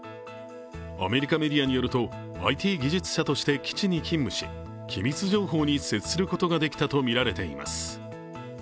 アメリカメディアによると、ＩＴ技術者として基地に勤務し、機密情報に接することができたとみられています。